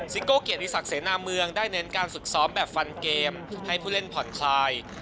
โก้เกียรติศักดิเสนาเมืองได้เน้นการฝึกซ้อมแบบฟันเกมให้ผู้เล่นผ่อนคลาย